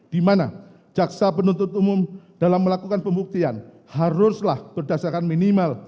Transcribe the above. di mana jaksa penuntut umum dalam melakukan pembuktian haruslah berdasarkan minimal